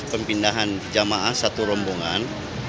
pemindahan jamaah satu rombongan